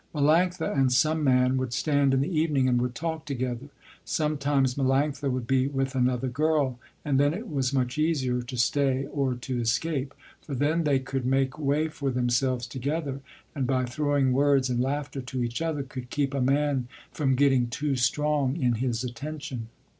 Melanctha and some man would stand in the evening and would talk together. Sometimes Melanctha would be with another girl and then it was much easier to stay or to escape, for then they could make way for themselves together, and by throwing words and laughter to each other, could keep a man from getting too strong in his attention.